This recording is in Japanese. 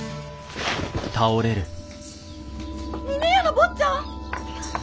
峰屋の坊ちゃん！？